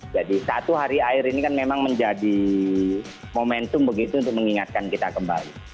jadi satu hari air ini kan memang menjadi momentum begitu untuk mengingatkan kita kembali